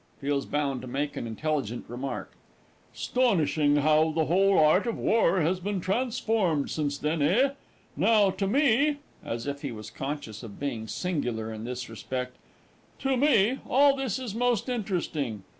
(Feels bound to make an intelligent remark.) 'Stonishing how the whole art of war has been transformed since then, eh? Now to me (as if he was conscious of being singular in this respect) to me, all this is most interesting.